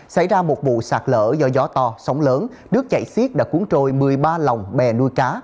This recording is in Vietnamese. xảy ra một vụ sạt lỡ do gió to sóng lớn đứt chạy xiết đã cuốn trôi một mươi ba lòng bè nuôi cá